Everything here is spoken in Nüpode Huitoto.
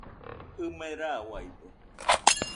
ɨme rauaide.